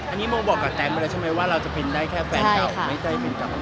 อันนี้โมบอกกับแต๊งไปแล้วใช่ไหมว่าเราจะปริ้นได้แค่แฟนเก่า